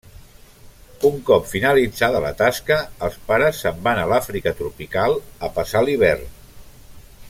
Un cop finalitzada la tasca, els pares se'n van a l'Àfrica tropical a passar l'hivern.